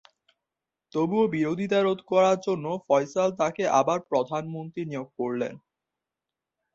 তবুও, বিরোধীতা রোধ করার জন্য ফয়সাল তাকে আবার প্রধানমন্ত্রী নিয়োগ করলেন।